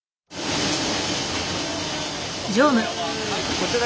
こちらは？